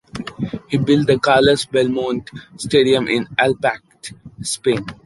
He built the Carlos Belmonte stadium in Albacete, Spain.